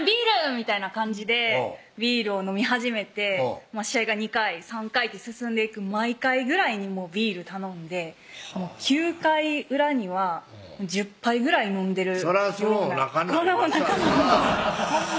みたいな感じでビールを飲み始めて試合が２回３回って進んでいく毎回ぐらいにビール頼んで９回裏には１０杯ぐらい飲んでるそらそのおなかになりますわな